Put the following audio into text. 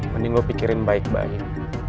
mending lo pikirin baik baik